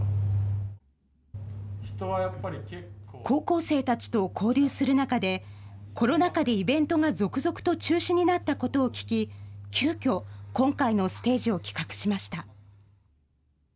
高校生たちと交流する中で、コロナ禍でイベントが続々と中止になったことを聞き、急きょ、今回のステージを企画しました。